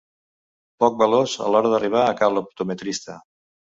Poc veloç a l'hora d'arribar a ca l'optometrista.